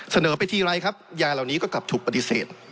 เสนอไปทีไรครับยาเหล่านี้ก็กลับถูกปฏิเสธ